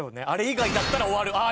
あれ以外だったら終わる。